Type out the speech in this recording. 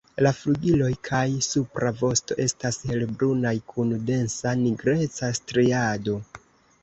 La flugiloj kaj supra vosto estas helbrunaj kun densa nigreca striado.